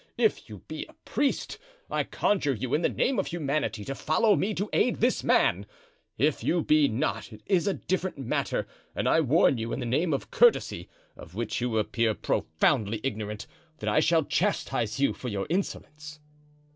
If you be a priest, I conjure you in the name of humanity to follow me to aid this man; if you be not, it is a different matter, and I warn you in the name of courtesy, of which you appear profoundly ignorant, that I shall chastise you for your insolence."